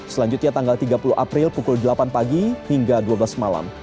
selanjutnya tanggal tiga puluh april pukul delapan pagi hingga dua belas malam